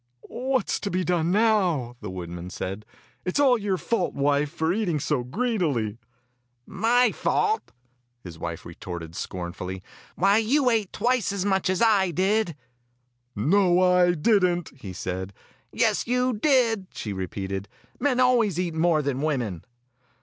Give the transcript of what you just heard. "What is to be done now.^" the woodman said. "It is all your fault, wife, for eating so greedily." "My fault!" his wife retorted scornfully; "why> you ate twice as much as I did." 106 Fairy Tale Bears "No, I did n't!" he said. "Yes, you did!" she repeated. "Men al ways eat more than women."